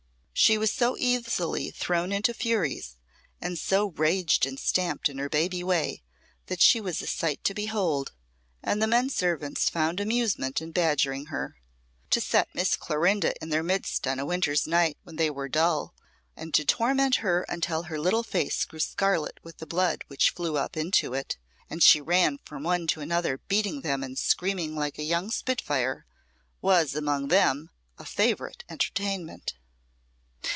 She was so easily thrown into furies, and so raged and stamped in her baby way that she was a sight to behold, and the men servants found amusement in badgering her. To set Mistress Clorinda in their midst on a winter's night when they were dull, and to torment her until her little face grew scarlet with the blood which flew up into it, and she ran from one to the other beating them and screaming like a young spitfire, was among them a favourite entertainment.